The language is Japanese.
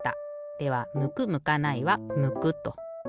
ではむくむかないは「むく」と。